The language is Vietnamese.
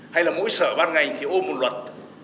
hay là mỗi sở ban ngành thì ôm một luật